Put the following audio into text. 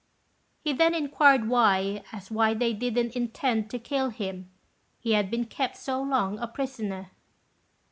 He then inquired why, as they didn't intend to kill him, he had been kept so long a prisoner.